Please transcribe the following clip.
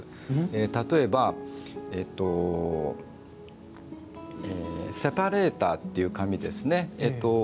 例えば、セパレータっていう紙ですね。